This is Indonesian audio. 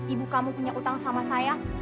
ibu kamu punya utang sama saya